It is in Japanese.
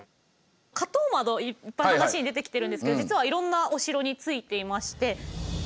花頭窓いっぱい話に出てきてるんですけど実はいろんなお城についていまして。